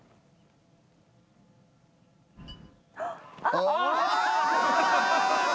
あ！